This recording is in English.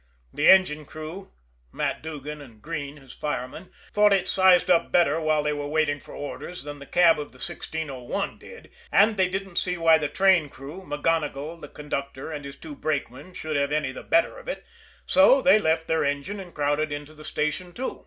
The engine crew, Matt Duggan and Greene, his fireman, thought it sized up better while they were waiting for orders than the cab of the 1601 did, and they didn't see why the train crew, MacGonigle, the conductor, and his two brakemen, should have any the better of it so they left their engine and crowded into the station, too.